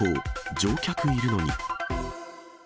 乗客いるのに。